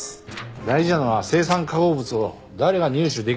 大事なのは青酸化合物を誰が入手できるかって事でしょ！